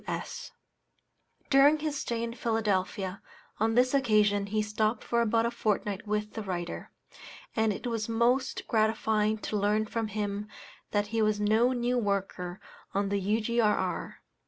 W.S. During his stay in Philadelphia, on this occasion, he stopped for about a fortnight with the writer, and it was most gratifying to learn from him that he was no new worker on the U.G.R.R.